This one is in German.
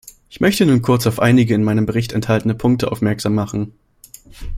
Ich möchte nun kurz auf einige in meinem Bericht enthaltene Punkte aufmerksam machen.